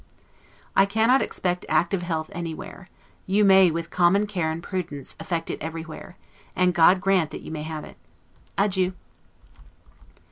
I cannot expect active health anywhere; you may, with common care and prudence, effect it everywhere; and God grant that you may have it! Adieu.